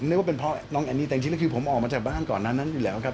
นึกว่าเป็นเพราะน้องแอนนี่แต่จริงแล้วคือผมออกมาจากบ้านก่อนนั้นอยู่แล้วครับ